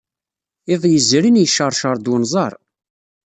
Iḍ yezrin, yecceṛceṛ-d wenẓar.